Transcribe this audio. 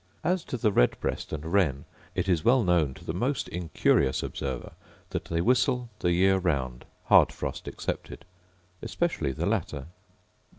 As to the red breast and wren, it is well known to the most incurious observer that they whistle the year round, hard frost excepted; especially the latter.